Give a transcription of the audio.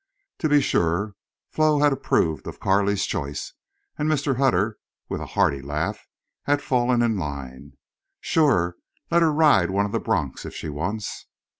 To be sure, Flo had approved of Carley's choice, and Mr. Hutter, with a hearty laugh, had fallen in line: "Shore. Let her ride one of the broncs, if she wants."